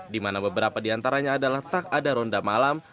di mana beberapa di antaranya adalah tak ada ronda malam